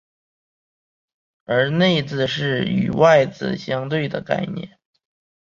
而内字是与外字相对的概念。